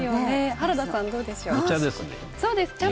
原田さん、どうでしょう？